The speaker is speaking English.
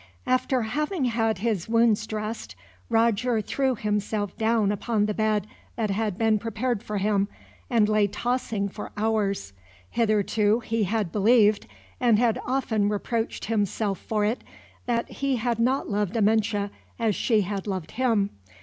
After having had his wounds dressed, Roger threw himself down upon the bed that had been prepared for him, and lay tossing for hours. Hitherto he had believed, and had often reproached himself for it, that he had not loved Amenche as she had loved him.